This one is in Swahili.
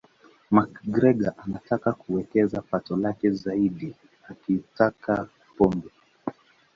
McGregor anataka kuwekeza pato lake zaidi akatika pombe